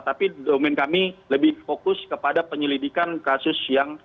tapi domain kami lebih fokus kepada penyelidikan kasus yang